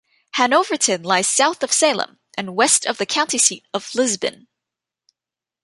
Hanoverton lies south of Salem and west of the county seat of Lisbon.